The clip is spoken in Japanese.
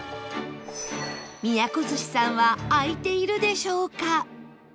ミヤコ寿司さんは開いているでしょうか？